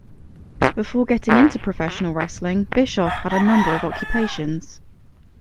Before getting into professional wrestling, Bischoff had a number of occupations.